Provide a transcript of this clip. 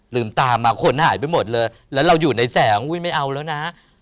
ลืมตามาคนหายไปหมดเลยแล้วเราอยู่ในแสงอุ้ยไม่เอาแล้วนะ